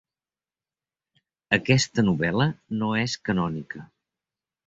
Aquesta novel·la no és canònica.